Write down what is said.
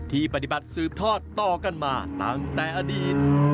ปฏิบัติสืบทอดต่อกันมาตั้งแต่อดีต